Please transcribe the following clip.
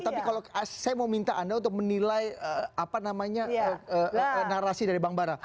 tapi kalau saya mau minta anda untuk menilai apa namanya narasi dari bang bara